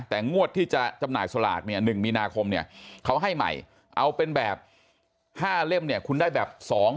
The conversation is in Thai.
แต่งวดที่จะจำหน่ายสลากเนี่ย๑มีนาคมเนี่ยเขาให้ใหม่เอาเป็นแบบ๕เล่มเนี่ยคุณได้แบบ๒๐๐